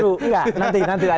justru iya nanti nanti